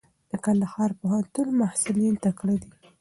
د کندهار پوهنتون محصلین تکړه دي.